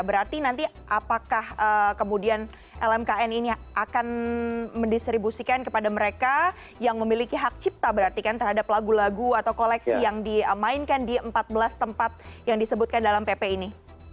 berarti nanti apakah kemudian lmkn ini akan mendistribusikan kepada mereka yang memiliki hak cipta berarti kan terhadap lagu lagu atau koleksi yang dimainkan di empat belas tempat yang disebutkan dalam pp ini